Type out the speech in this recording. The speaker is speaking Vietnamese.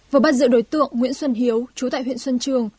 vừa bắt giữ đối tượng nguyễn xuân hiếu chú tại huyện xuân trường